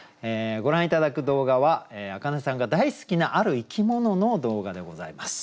ご覧頂く動画は明音さんが大好きなある生き物の動画でございます。